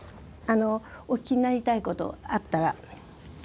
あのお聞きになりたいことあったら。